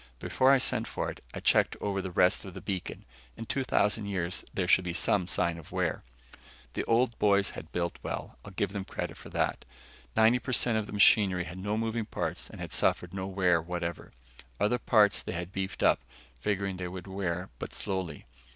Before I sent for it, I checked over the rest of the beacon. In 2000 years, there should be some sign of wear. The old boys had built well, I'll give them credit for that. Ninety per cent of the machinery had no moving parts and had suffered no wear whatever. Other parts they had beefed up, figuring they would wear, but slowly.